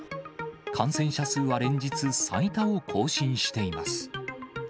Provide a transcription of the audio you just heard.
感染者数は連日最多を更新しています。